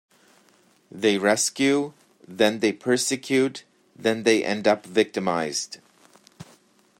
They rescue, then they persecute, then they end up victimized.